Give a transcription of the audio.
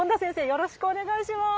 よろしくお願いします。